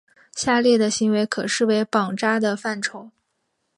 下列的行为可视为绑扎的范畴。